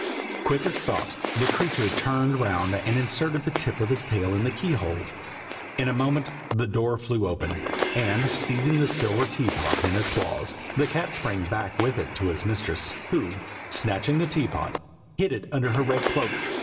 Quick as thought the creature turned round and inserted the tip of his tail in the key hole. In a moment the door flew open, and seizing the silver teapot in his claws, the cat sprang back with it to his mistress, who, snatching the teapot, hid it under her red cloak.